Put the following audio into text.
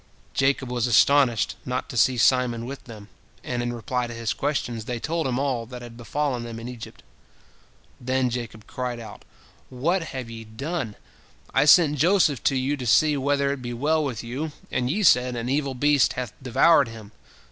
Jacob was astonished not to see Simon with them, and in reply to his questions, they told him all that had befallen them in Egypt. Then Jacob cried out: "What have ye done? I sent Joseph to you to see whether it be well with you, and ye said, An evil beast hath devoured him.